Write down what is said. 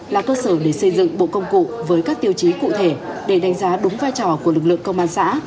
là cơ sở để xây dựng bộ công cụ với các tiêu chí cụ thể để đánh giá đúng vai trò của lực lượng công an xã